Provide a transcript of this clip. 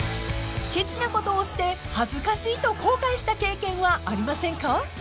［ケチなことをして恥ずかしいと後悔した経験はありませんか？］